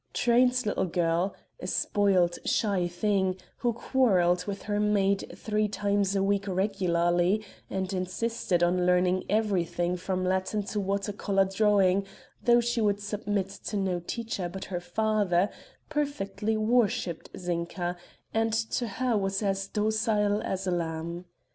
Truyn's little girl a spoilt, shy thing, who quarrelled with her maid three times a week regularly and insisted on learning everything from Latin to water color drawing, though she would submit to no teacher but her father, perfectly worshipped Zinka and to her was as docile as a lamb.